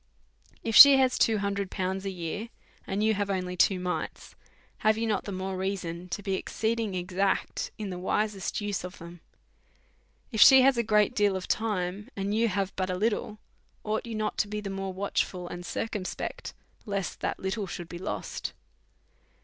If she has two hundred pounds a year, and you have only two mites, have you not the more reason to be exceeding exact in the wisest use of it? If she has a deal of time, and you have but a little, ought you not to be the more watchful and circumspect, lest that little should be lost?